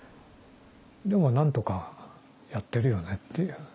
でもなんとかやってるよねっていう。